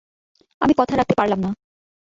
আমি কথা রাখতে পারলাম না।